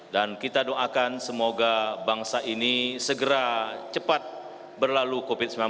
dan kita doakan semoga bangsa ini segera cepat berlalu covid sembilan belas